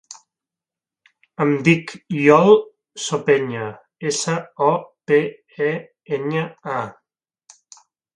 Em dic Iol Sopeña: essa, o, pe, e, enya, a.